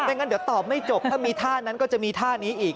งั้นเดี๋ยวตอบไม่จบถ้ามีท่านั้นก็จะมีท่านี้อีก